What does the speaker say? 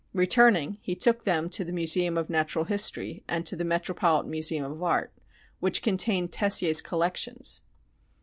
Returning, he took them to the Museum of Natural History and to the Metropolitan Museum of Art, which contained "Tessier's collections."